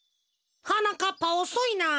はなかっぱおそいな。